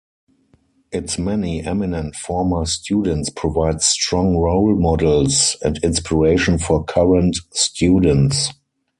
Its many eminent former students provide strong role models and inspiration for current students.